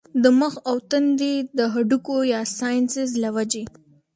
د مخ او تندي د هډوکو يا سائنسز له وجې